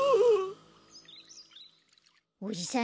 おじさん